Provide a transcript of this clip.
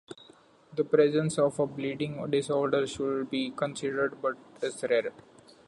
The presence of a bleeding disorder should be considered but is rare.